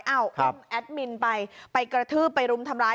อุ้มแอดมินไปไปกระทืบไปรุมทำร้าย